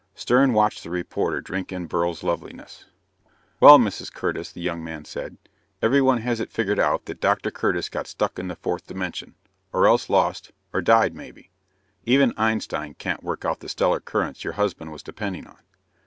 Stern watched the reporter drink in Beryl's loveliness. "Well, Mrs. Curtis," the young man said, "everyone has it figured out that Dr. Curtis got stuck in the fourth dimension, or else lost, or died, maybe. Even Einstein can't work out the stellar currents your husband was depending on."